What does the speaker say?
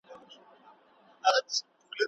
ایا د اساطیرو کیسې په حقیقت بدلېدلای سي؟